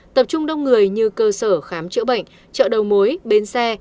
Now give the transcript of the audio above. tập trung đông người như cơ sở khám chữa bệnh chợ đầu mối bến xe